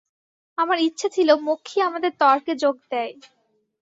আমার ইচ্ছে ছিল মক্ষী আমাদের তর্কে যোগ দেয়।